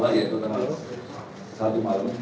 yaitu tanggal satu malam